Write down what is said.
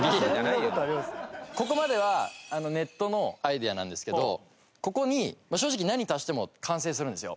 ここまではネットのアイデアなんですけどここに正直何足しても完成するんですよ。